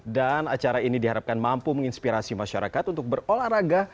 dan acara ini diharapkan mampu menginspirasi masyarakat untuk berolahraga